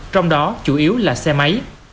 trong đó chủ yếu là xe máy